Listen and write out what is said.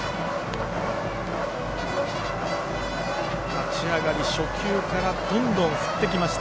立ち上がり、初球からどんどん振ってきました。